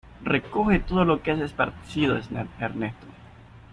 ¡Recoge todo lo que has esparcido, Ernesto!